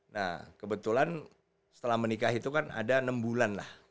nah kebetulan setelah menikah itu kan ada enam bulan lah